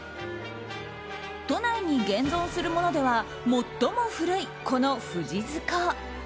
都内に現存するものでは最も古いこの富士塚。